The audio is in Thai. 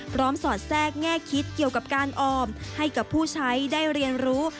สอดแทรกแง่คิดเกี่ยวกับการออมให้กับผู้ใช้ได้เรียนรู้